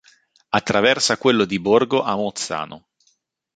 Attraversa quello di Borgo a Mozzano.